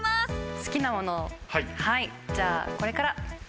好きなもの、じゃあこれから。